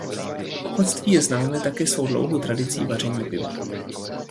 Opatství je známé také svou dlouhou tradicí vaření piva.